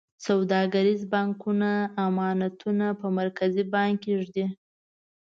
سوداګریز بانکونه امانتونه په مرکزي بانک کې ږدي.